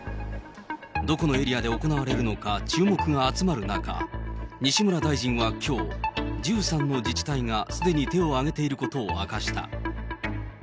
どこのエリアで行われるのか注目が集まる中、西村大臣はきょう、１３の自治体がすでに手を挙げていることを明かした。